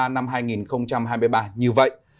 năm hai nghìn hai mươi ba như vậy